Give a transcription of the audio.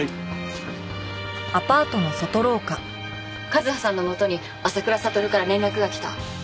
和葉さんのもとに浅倉悟から連絡がきた。